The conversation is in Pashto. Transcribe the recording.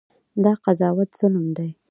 دا قضاوت ظلم دی.